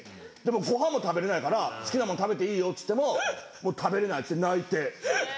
ご飯も食べれないから好きなもの食べていいよっつっても食べれないっつって泣いて。